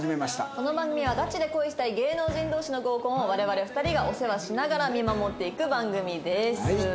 この番組はガチで恋したい芸能人同士の合コンを我々２人がお世話しながら見守っていく番組です。